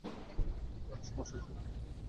তার সমরশক্তি দিন দিন বেড়েই চলেছে।